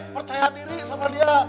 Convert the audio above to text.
percaya diri sama dia